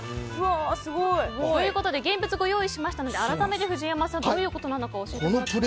ということで現物をご用意しましたので改めて藤山さんどういうことなのか教えてください。